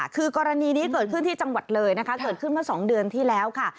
คือกรณีนี้เกิดขึ้นที่จังหวัดเลยนะคะเกิดขึ้นเมื่อ๒เดือนที่แล้วค่ะ